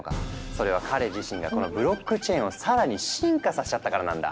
それは彼自身がこのブロックチェーンを更に進化させちゃったからなんだ。